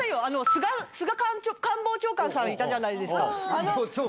菅官房長官さんいたじゃないです